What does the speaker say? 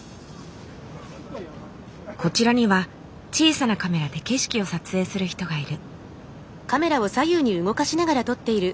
こちらには小さなカメラで景色を撮影する人がいる。